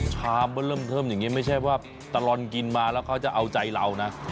ชามก็เริ่มเทิมอย่างนี้ไม่ใช่ว่าตลอดกินมาแล้วเขาจะเอาใจเรานะ